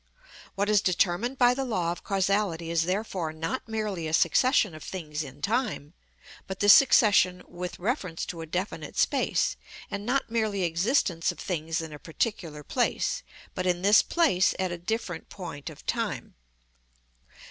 What is determined by the law of causality is therefore not merely a succession of things in time, but this succession with reference to a definite space, and not merely existence of things in a particular place, but in this place at a different point of time.